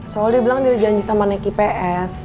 soalnya dia bilang dia janji sama neki ps